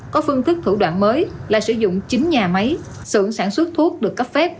có phương thức thủ đoạn mới là sử dụng chính nhà máy sưởng sản xuất thuốc được cấp phép